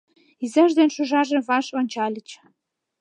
Изаж ден шӱжарже ваш ончальыч.